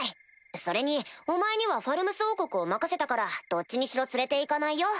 それにお前にはファルムス王国を任せたからどっちにしろ連れて行かないよ。